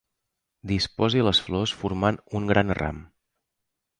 Disposi les flors formant un gran ram.